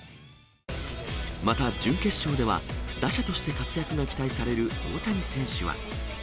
また、準決勝では、打者として活躍が期待される大谷選手は。